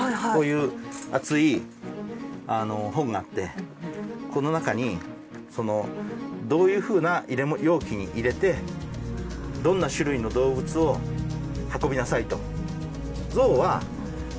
こういう厚い本があってこの中にどういうふうな容器に入れてどんな種類の動物を運びなさいと。